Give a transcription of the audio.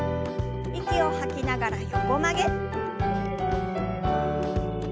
息を吐きながら横曲げ。